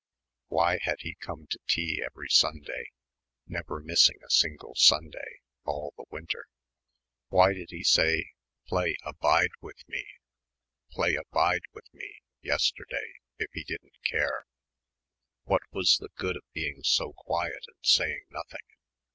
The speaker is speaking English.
Why had he come to tea every Sunday never missing a single Sunday all the winter? Why did he say, "Play 'Abide with me,'" "Play 'Abide with me'" yesterday, if he didn't care? What was the good of being so quiet and saying nothing?